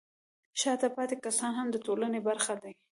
شاته پاتې کسان هم د ټولنې برخه دي.